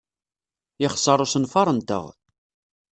Yexṣer usenfar-nteɣ.